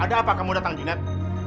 ada apa kamu datang junet